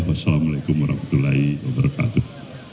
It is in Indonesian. wassalamu alaikum warahmatullahi wabarakatuh